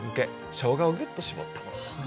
しょうがをギュッと絞ったものですね。